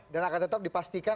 dan akan tetap dipastikan